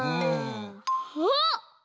あっ！